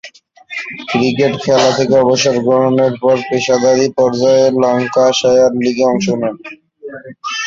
Cricket খেলা থেকে অবসর গ্রহণের পর পেশাদারী পর্যায়ে ল্যাঙ্কাশায়ার লীগে অংশ নেন।